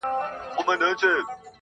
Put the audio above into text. او په سترگو کې بلا اوښکي را ډنډ سوې,